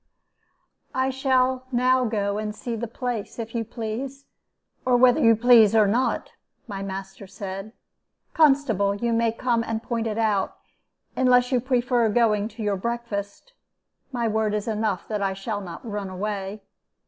"'I shall now go and see the place, if you please, or whether you please or not,' my master said. 'Constable, you may come and point it out, unless you prefer going to your breakfast. My word is enough that I shall not run away.